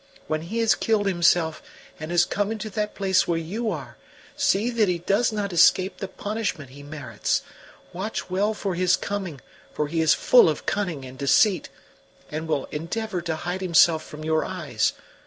When he has killed himself, and has come into that place where you are, see that he does not escape the punishment he merits. Watch well for his coming, for he is full of cunning and deceit, and will endeavor to hide himself from your eyes.